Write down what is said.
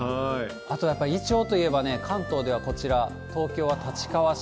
あとやっぱりイチョウといえば、関東ではこちら、東京は立川市。